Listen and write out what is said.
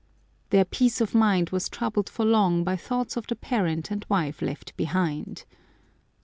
Their peace of mind was troubled for long by thoughts of the parent and wife left behind.